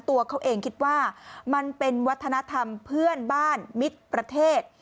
ตัวเขาเองคิดว่ามันเป็นวัฒนธรรมเพื่อนบ้านมิตรประเทศ